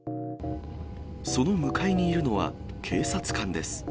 その向かいにいるのは、警察官です。